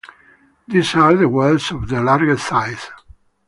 These are the whales of the largest size.